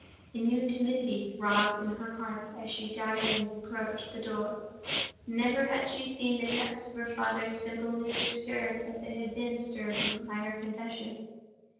A new timidity throbbed in her heart as she doubtingly approached the door. Never had she seen the depths of her father's simple nature stirred as they had been stirred by her confession.